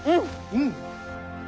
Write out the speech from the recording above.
うん。